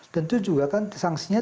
tentu juga kan sangsinya